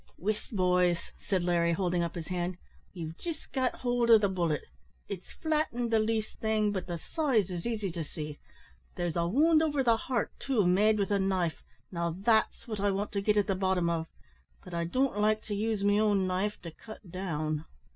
"Whist, boys," said Larry, holding up his hand. "We've jist got hold o' the bullet. It's flattened the least thing, but the size is easy to see. There's a wound over the heart, too, made with a knife; now that's wot I want to get at the bottom of, but I don't like to use me own knife to cut down."